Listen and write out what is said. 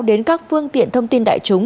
đến các phương tiện thông tin đại chúng